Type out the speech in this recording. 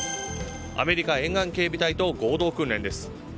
アメリカ沿岸警備隊と合同訓練です。